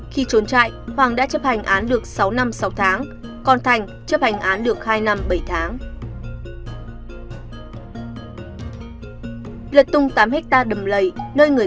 khi trốn chạy hoàng đã chấp hành án được sáu năm sáu tháng còn thành chấp hành án được hai năm bảy tháng